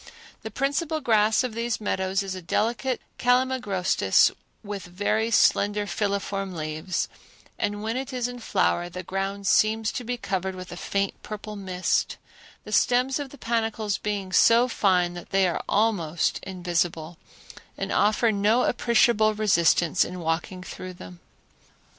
The principal grass of these meadows is a delicate calamagrostis with very slender filiform leaves, and when it is in flower the ground seems to be covered with a faint purple mist, the stems of the panicles being so fine that they are almost invisible, and offer no appreciable resistance in walking through them.